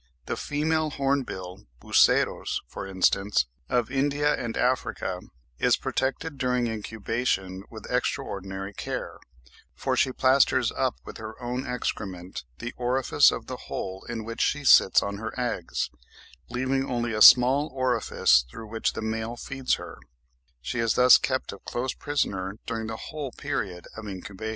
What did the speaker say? The female Horn bill (Buceros), for instance, of India and Africa is protected during incubation with extraordinary care, for she plasters up with her own excrement the orifice of the hole in which she sits on her eggs, leaving only a small orifice through which the male feeds her; she is thus kept a close prisoner during the whole period of incubation (16.